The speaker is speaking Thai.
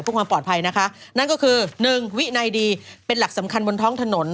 เพื่อความปลอดภัยนะคะนั่นก็คือหนึ่งวินัยดีเป็นหลักสำคัญบนท้องถนน